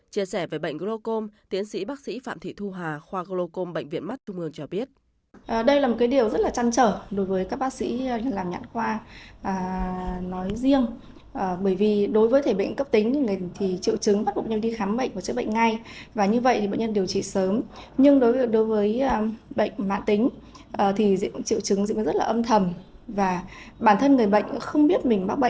chia sẻ về bệnh glaucom tiến sĩ bác sĩ phạm thị thu hà khoa glaucom bệnh viện mắt trung mương cho biết